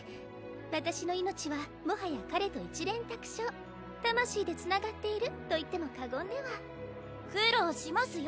私の命はもはや彼と一蓮托生魂でつながっていると言っても過言では苦労しますよ